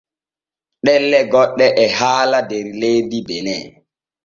Ɗelle goɗɗe e haalee der leydi Bene.